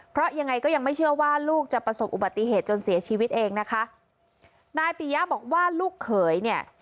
เพราะยังไงก็ยังไม่เชื่อว่าลูกจะประสบอุบัติเหตุจนเสียชีวิตเองนะคะนายปียะบอกว่าลูกเขยเนี่ย